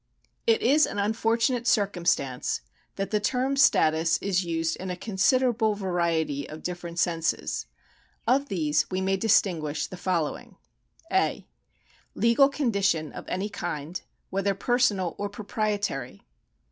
It is an unfortunate circumstance that the term status is used in a considerable variety of different senses. Of these we may distinguish the following : (a) Legal condilion of any kind, ivJiether persoyial or proprietary.